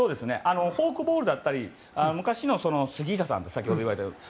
フォークボールだったり昔の杉下さんと先ほど言われたように。